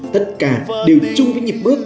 tất cả đều chung với nhịp bước